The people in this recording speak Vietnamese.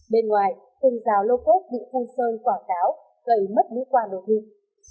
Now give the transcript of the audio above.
bên ngoài từng dạo lô cốt bị phun sơn quảng cáo gầy mất mũi quàng đồ thịt